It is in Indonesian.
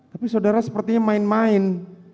tapi saudara sepertinya main main